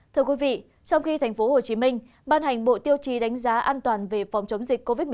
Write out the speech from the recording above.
thưa quý vị trong khi thành phố hồ chí minh ban hành bộ tiêu chí đánh giá an toàn về phòng chống dịch covid một mươi chín